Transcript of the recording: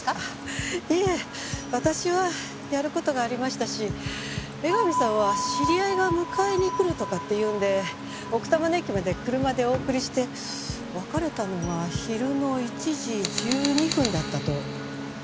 いえ私はやる事がありましたし江上さんは知り合いが迎えにくるとかって言うんで奥多摩の駅まで車でお送りして別れたのが昼の１時１２分だったと。